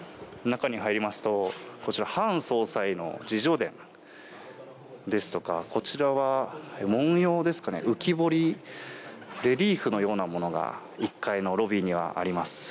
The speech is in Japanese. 中に入りますと、こちらハン総裁の自叙伝ですとかこちらは紋様ですかね、浮き彫りレリーフのようなものが１階のロビーにはあります。